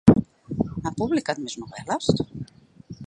Ha publicat més novel·les?